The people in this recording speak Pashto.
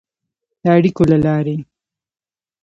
د اړیکو له لارې